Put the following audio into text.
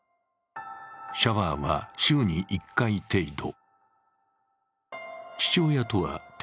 シャワーは週に１回程度。